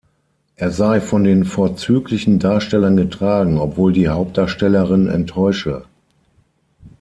Er sei von den „vorzüglichen“ Darstellern getragen, obwohl die Hauptdarstellerin enttäusche.